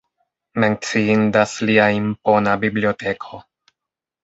Menciindas lia impona biblioteko.